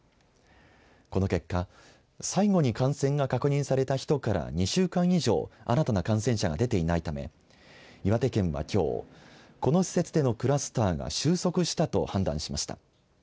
この結果、最後に感染が確認された人から２週間以上新たな感染者が出ていないため岩手県はきょうこの施設でのクラスターが収束したと判断しました。